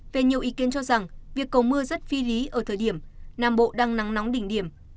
về nhiều ý kiến cho rằng việc cầu mưa rất phi lý ở thời điểm nam bộ đang nắng nóng đỉnh điểm